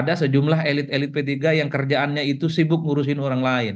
ada sejumlah elit elit p tiga yang kerjaannya itu sibuk ngurusin orang lain